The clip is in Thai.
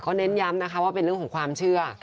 เน้นย้ำนะคะว่าเป็นเรื่องของความเชื่อ